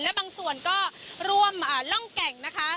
และบางส่วนก็ร่วมร่องแก่งนะคะ